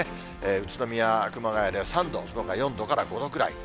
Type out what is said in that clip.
宇都宮、熊谷で３度、そのほか４度から５度ぐらい。